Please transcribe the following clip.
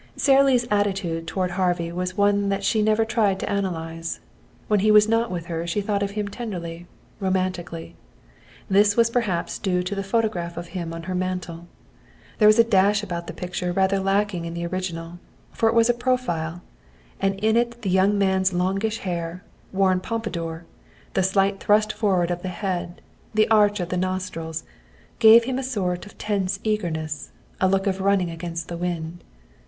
Sara Lee's attitude toward Harvey was one that she never tried to analyze. When he was not with her she thought of him tenderly, romantically. This was perhaps due to the photograph of him on her mantel. There was a dash about the picture rather lacking in the original, for it was a profile, and in it the young man's longish hair, worn pompadour, the slight thrust forward of the head, the arch of the nostrils, gave him a sort of tense eagerness, a look of running against the wind.